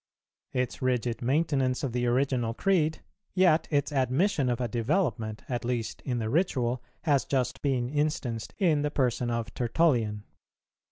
Its rigid maintenance of the original Creed, yet its admission of a development, at least in the ritual, has just been instanced in the person of Tertullian.